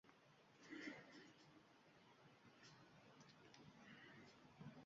O‘zbekistonda biznes-ombudsmanga murojaat qilgan tadbirkorlar soni ikki baravarga ko‘paydi